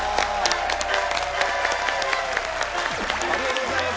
ありがとうございます。